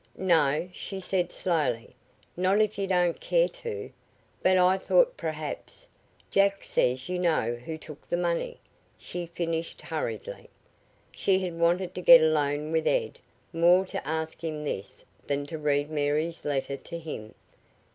"No," she said slowly; "not if you don't care to. But I thought perhaps Jack says you know who took the money," she finished hurriedly. She had wanted to get alone with Ed more to ask him this than to read Mary's letter to him.